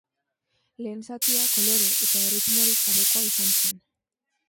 Lehen zatia kolore eta erritmorik gabeko izan zen.